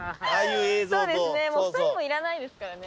そうですね２人もいらないですからね。